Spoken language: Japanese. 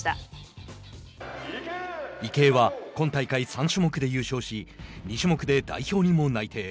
池江は今大会３種目で優勝し２種目で代表にも内定。